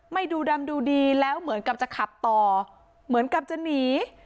ดูดำดูดีแล้วเหมือนกับจะขับต่อเหมือนกับจะหนี